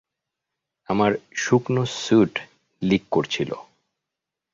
আমার শুকনো suit leak করছিলো।